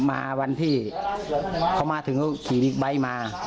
มาวันที่เขามาถึงเขาขี่บิ๊กไบท์มา